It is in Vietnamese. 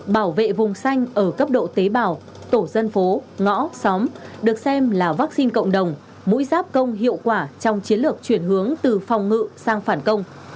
bảo vệ vùng xanh ở cấp độ tế bào tổ dân phố ngõ xóm được xem là vaccine cộng đồng mũi giáp công hiệu quả trong chiến lược chuyển hướng từ phòng ngự sang phản công